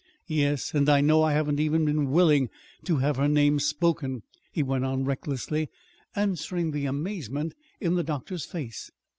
Yes, and I know I haven't even been willing to have her name spoken," he went on recklessly, answering the amazement in the doctor's face.